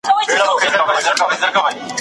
د روسيې د اقتصادي ودې تاريخ بايد ولوستل سي.